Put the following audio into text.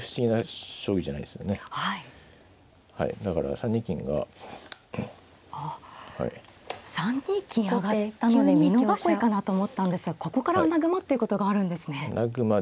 ３二金上がったので美濃囲いかなと思ったんですがここから穴熊っていうことがあるんですね。